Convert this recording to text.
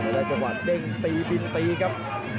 แล้วจะหวัดเด้งตีบินตีครับ